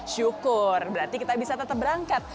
syukur berarti kita bisa tetap berangkat